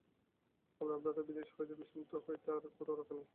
আপনার ভ্রাতার বিদ্বেষ হইতে, বিষদন্ত হইতে, আর কোথাও রক্ষা নাই।